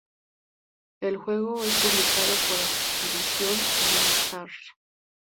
El juego es publicado por Activision Blizzard.